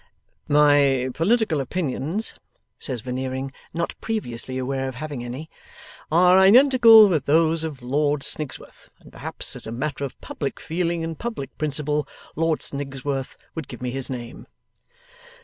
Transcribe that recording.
'My political opinions,' says Veneering, not previously aware of having any, 'are identical with those of Lord Snigsworth, and perhaps as a matter of public feeling and public principle, Lord Snigsworth would give me his name.